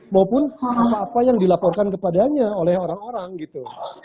maupun apa apa yang dilaporkan kepadanya oleh orang orang gitu